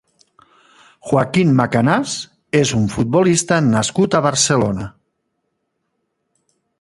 Joaquín Macanás és un futbolista nascut a Barcelona.